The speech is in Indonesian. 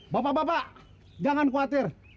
bapak bapak jangan khawatir